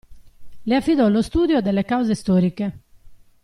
Le affidò lo studio delle cause storiche.